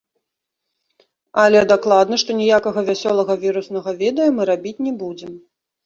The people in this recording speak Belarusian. Але дакладна, што ніякага вясёлага віруснага відэа мы рабіць не будзем.